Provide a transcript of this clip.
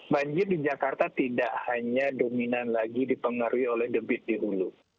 banjir di jakarta tidak hanya dominan lagi dipengaruhi oleh debit di hulu